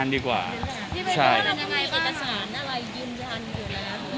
มีเอกสารอะไรยืนยันอยู่แล้ว